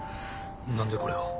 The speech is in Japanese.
何でこれを？